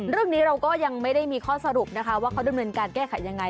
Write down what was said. เรื่องนี้เราก็ยังไม่ได้มีข้อสรุปนะคะว่าเขาดำเนินการแก้ไขยังไง